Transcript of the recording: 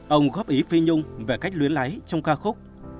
ông góp ý phi nhung về cách luyến lấy trong ca khúc